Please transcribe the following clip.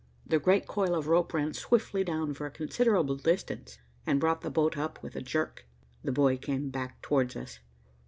The great coil of rope ran swiftly down for a considerable distance, and brought the boat up with a jerk. The boy came back towards us.